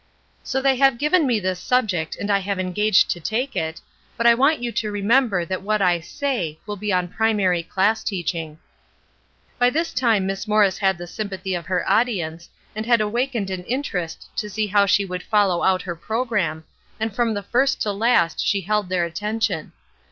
So they have given me this subject and I have engaged to take it, but I want you to remember that what I say will be on primary class teaching." By this time Miss Morris had the sympathy of her audience, and had awakened an interest to see how she would follow out her programme, and from first to last she held their attention.